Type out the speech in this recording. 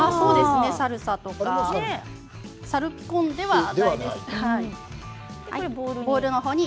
サルサとかサルピコンではないですね。